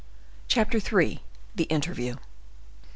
Chapter III. The Interview.